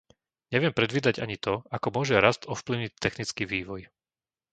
Neviem predvídať ani to, ako môže rast ovplyvniť technický vývoj.